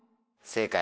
正解！